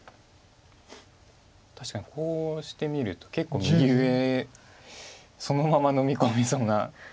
確かにこうして見ると結構右上そのままのみ込みそうな。